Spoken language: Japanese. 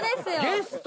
ゲスト！